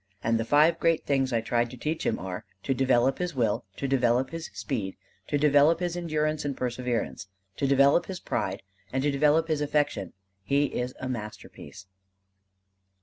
And the five great things I tried to teach him are: to develop his will, to develop his speed, to develop his endurance and perseverance, to develop his pride, and to develop his affection: he is a masterpiece."